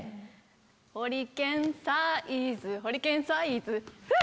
ホリケン☆サイズホリケン☆サイズフゥ！